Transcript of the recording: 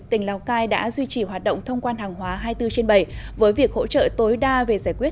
tỉnh lào cai đã duy trì hoạt động thông quan hàng hóa hai mươi bốn trên bảy với việc hỗ trợ tối đa về giải quyết